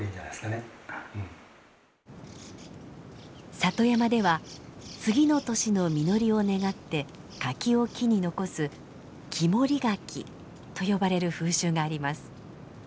里山では次の年の実りを願って柿を木に残す「木守柿」と呼ばれる風習があります。